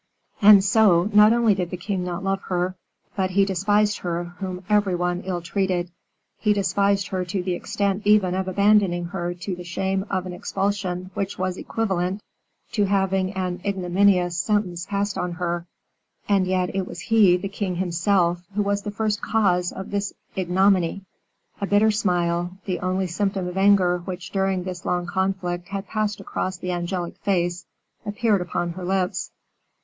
And so, not only did the king not love her, but he despised her whom every one ill treated, he despised her to the extent even of abandoning her to the shame of an expulsion which was equivalent to having an ignominious sentence passed on her; and yet, it was he, the king himself, who was the first cause of this ignominy. A bitter smile, the only symptom of anger which during this long conflict had passed across the angelic face, appeared upon her lips.